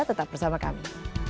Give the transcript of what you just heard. tetap bersama kami